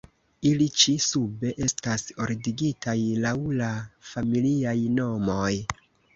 Ili ĉi-sube estas ordigitaj laŭ la familiaj nomoj.